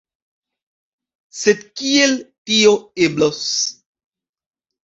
Sed kiel tio eblos?